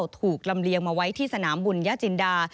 ถูกลำเลียงมาไว้ที่สนามบุญญจินดา